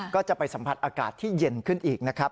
ก็จะไปสัมผัสอากาศที่เย็นขึ้นอีกนะครับ